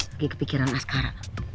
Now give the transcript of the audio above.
lagi kepikiran oskara